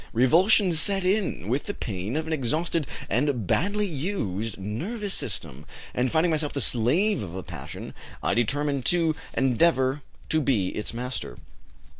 Revulsion set in with the pain of an exhausted and badly used nervous system, and finding myself the slave of a passion, I determined to endeavor to be its master.